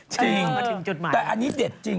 จริงไม่ถึงจุดใหม่นะครับแต่อันนี้เด็ดจริง